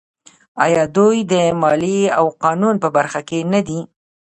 آیا دوی د مالیې او قانون په برخه کې نه دي؟